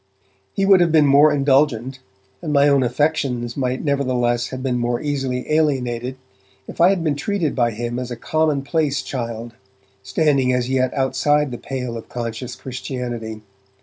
He would have been more indulgent, and my own affections might nevertheless have been more easily alienated, if I had been treated by him as a commonplace child, standing as yet outside the pale of conscious Christianity.